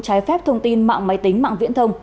trái phép thông tin mạng máy tính mạng viễn thông